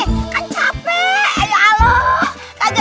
kan capek ya allah